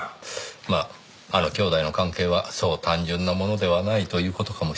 まああの兄弟の関係はそう単純なものではないという事かもしれませんね。